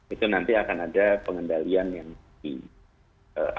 itu nanti akan ada pengendalian yang di arah